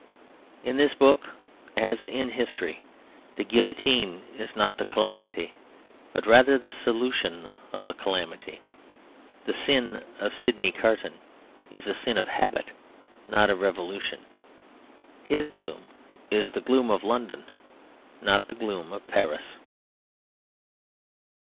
In this book, as in history, the guillotine is not the calamity, but rather the solution of the calamity. The sin of Sydney Carton is a sin of habit, not of revolution. His gloom is the gloom of London, not the gloom of Paris.